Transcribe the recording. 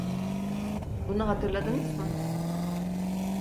Bunu hatırladınız mı?